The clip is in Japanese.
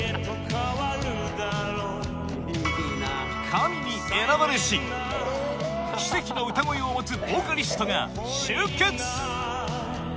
神に選ばれし奇跡の歌声を持つボーカリストが集結！